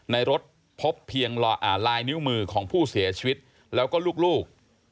ในรถพบเพียงลายนิ้วมือของผู้เสียชีวิตแล้วก็ลูก